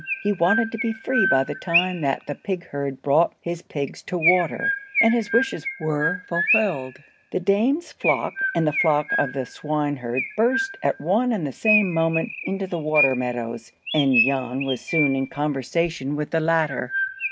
He wanted to be free by the time that the pig herd brought his pigs to water, and his wishes were fulfilled. The Dame's flock and the flock of the swineherd burst at one and the same moment into the water meadows, and Jan was soon in conversation with the latter.